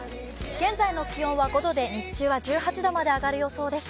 現在の気温は５度で日中は１８度まで上がる予想です。